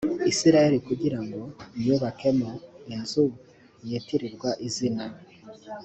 isirayeli kugira ngo nywubakemo inzu o yitirirwa izina